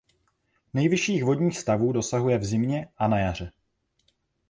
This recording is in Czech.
Nejvyšších vodních stavů dosahuje v zimě a na jaře.